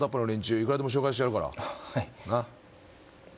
いくらでも紹介してやるからはいなっ